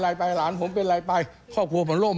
ที่มันก็มีเรื่องที่ดิน